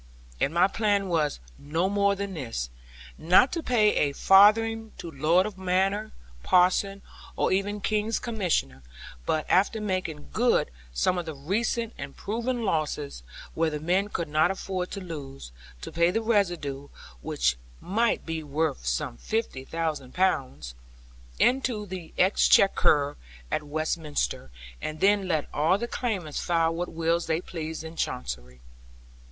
And my plan was no more than this not to pay a farthing to lord of manor, parson, or even King's Commissioner, but after making good some of the recent and proven losses where the men could not afford to lose to pay the residue (which might be worth some fifty thousand pounds) into the Exchequer at Westminster; and then let all the claimants file what wills they pleased in Chancery.